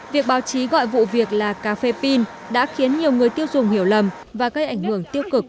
việc báo chí gọi vụ việc là cà phê pin đã khiến nhiều người tiêu dùng hiểu lầm và gây ảnh hưởng tiêu cực